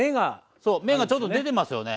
そう芽がちょっと出てますよね。